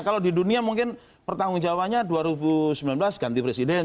kalau di dunia mungkin pertanggung jawabannya dua ribu sembilan belas ganti presiden